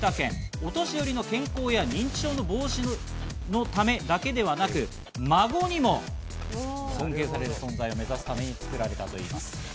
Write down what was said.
お年寄りの健康や認知症の防止などのためだけではなく、孫にも一目置かれる存在を目指すために作られたといいます。